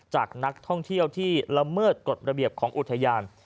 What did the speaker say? จากนักท่องเที่ยวที่ละเมิดกฎระเบียบของอุทยาน